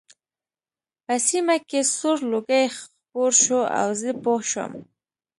په سیمه کې سور لوګی خپور شو او زه پوه شوم